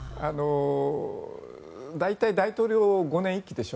大体、大統領５年１期でしょ。